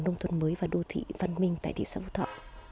nông thuận mới và đô thị văn minh tại thị xã phú thọ